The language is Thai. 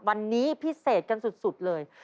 วันนี้พิเศษกันสุดเลย